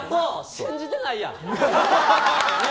信じてないやん。